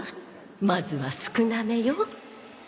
まずは少なめよ